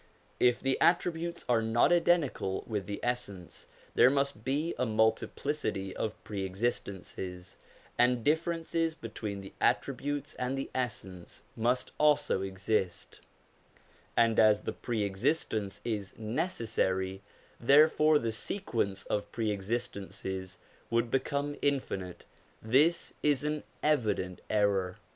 If the attributes are not identical with the Essence, there must also be a multiplicity of pre existences, and differences between the attributes and the Essence must also exist : and as Pre existence is necessary, therefore the sequence of pre existences would become infinite. This is an evident error.